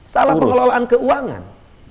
salah pengelolaan keuangan